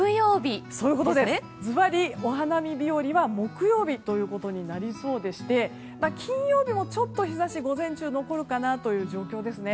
ズバリお花見日和は木曜日となりそうでして金曜日もちょっと日差しが午前中は残るかなという状況ですね。